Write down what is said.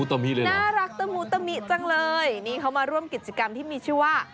ตะหมูตะมิเลยหรอนี่เขามาร่วมกิจกรรมที่มีชื่อว่า